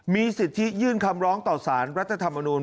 มีสิทธิยื่นคำร้องต่อสารรัฐธรรมนูล